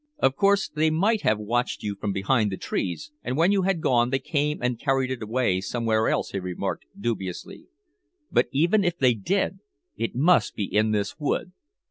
"Of course they might have watched you from behind the trees, and when you had gone they came and carried it away somewhere else," he remarked dubiously; "but even if they did, it must be in this wood.